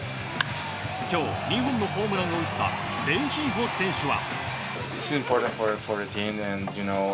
今日、２本のホームランを打ったレンヒーフォ選手は。